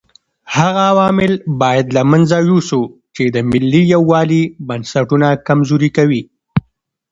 هغه عوامل باید له منځه یوسو چې د ملي یووالي بنسټونه کمزوري کوي.